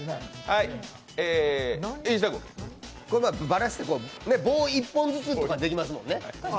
ばらして、棒１本ずつとかできますもんね。